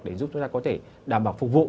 để giúp chúng ta có thể đảm bảo phục vụ